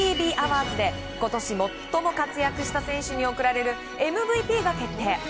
今年最も活躍した選手に贈られるＭＶＰが決定。